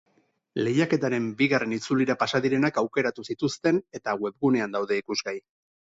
Lehiaketaren bigarren itzulira pasa direnak aukeratu zituzten eta webgunean daude ikusgai.